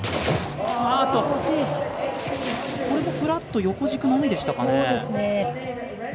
これもフラット横軸のみでしたかね。